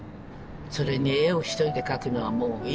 それに絵を一人で描くのはもういい。